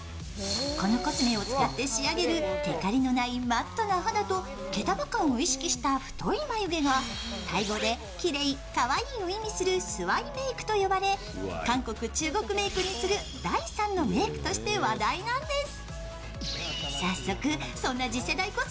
このコスメを使って仕上げるてかりのないマットな肌と毛束感を意識した太い眉毛がタイ語でキレイ、かわいいを意味するスワイメークと呼ばれ韓国、中国メークに次ぐ、第３のメークとして話題なんです。